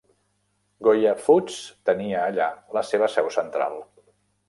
Goya Foods tenia allà la seva seu central.